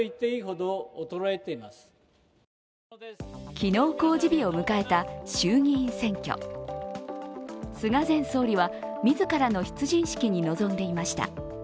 昨日、公示日を迎えた衆議院選挙菅前総理は、自らの出陣式に臨んでいました。